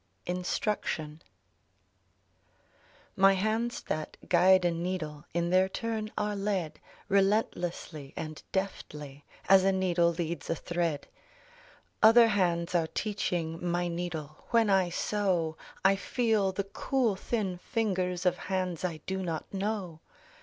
INSTRUCTION My hands that guide a needle In their turn are led Relentlessly and deftly, As a needle leads a thread. Other hands are teaching My needle; when I sew I feel the cool, thin fingers Of hands I do not know.